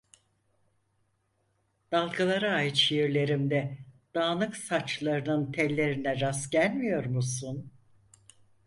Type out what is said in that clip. Dalgalara ait şiirlerimde dağınık saçlarının tellerine rast gelmiyor musun?